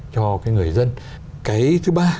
cho cái người dân cái thứ ba